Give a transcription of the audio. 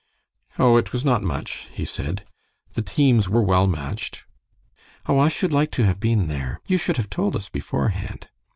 "Oh, it was not much," he said; "the teams were well matched." "Oh, I should like to have been there. You should have told us beforehand."